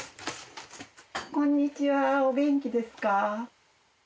こんにちはお元気ですか？